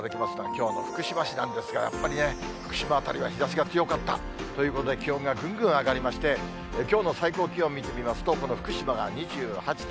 きょうの福島市なんですが、やっぱり、福島辺りは日ざしが強かったということで、気温がぐんぐん上がりまして、きょうの最高気温見てみますと、この福島が２８．３度。